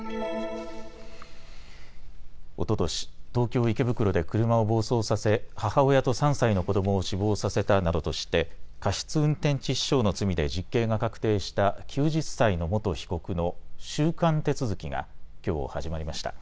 おととし、東京池袋で車を暴走させ母親と３歳の子どもを死亡させたなどとして過失運転致死傷の罪で実刑が確定した９０歳の元被告の収監手続きがきょう始まりました。